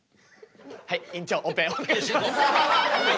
はい院長オペお願いします。